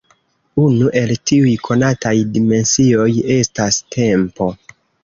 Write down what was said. Unu el tiuj konataj dimensioj estas tempo.